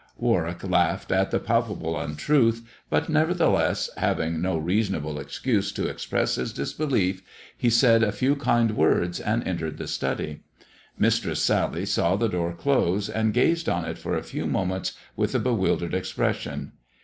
Warwick laughed at the palpable untruth, but neverthe less, having no reasonable excuse to express his disbelief, he said a few kind words, and entered the study. Mistress Sal]y saw the door close, and gazed on it for a few moments with a bewildered expression.